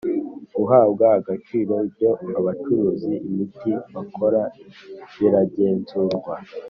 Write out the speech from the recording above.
guhabwa agaciro ibyo abacuruza imiti bakora biragenzurwa